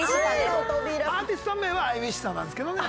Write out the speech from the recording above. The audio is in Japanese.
アーティスト名はＩＷｉＳＨさんなんですけどね。